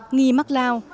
nghi mắc lao